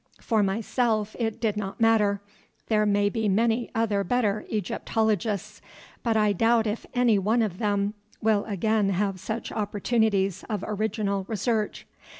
For myself it did not matter; there may be many better Egyptologists, but I doubt if any one of them will again have such opportunities of original research.